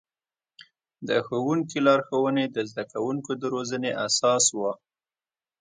د ښوونکي لارښوونې د زده کوونکو د روزنې اساس و.